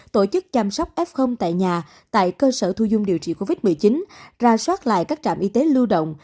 tổ chức chăm sóc f tại nhà tại cơ sở thu dung điều trị covid một mươi chín ra soát lại các trạm y tế lưu động